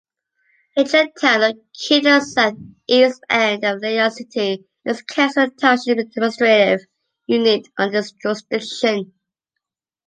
Hengjian Town, located in the southeast end of Liyang City, is a cancelled township administrative unit under its jurisdiction.